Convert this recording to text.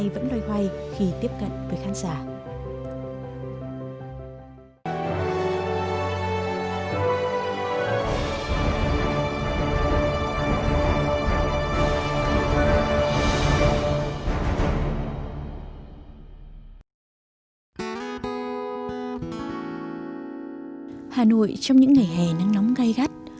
hà nội trong những ngày hè nắng nóng gây gắt